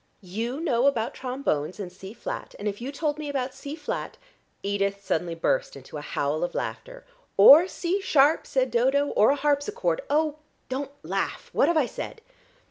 You know about trombones and C flat, and if you told me about C flat " Edith suddenly burst into a howl of laughter. "Or C sharp," said Dodo, "or a harpsichord. Oh, don't laugh. What have I said?"